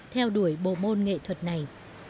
theo đuổi bộ môn nghệ thuật này